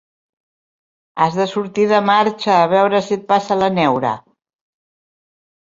Has de sortir de marxa, a veure si et passa la neura!